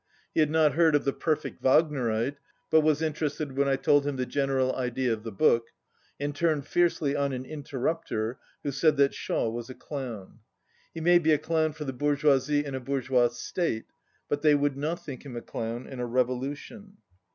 He had not heard of "The Perfect Wagnerite," but was interested when I told him the general idea of the book, and turned fiercely on an inter rupter who said that Shaw was a clown. "He may be a clown for the bourgeoisie in a bourgeois state, but they would not think him a clown in a revolution."